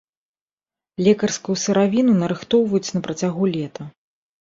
Лекарскую сыравіну нарыхтоўваюць на працягу лета.